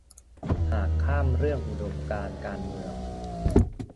หากข้ามเรื่องอุดมการณ์การเมือง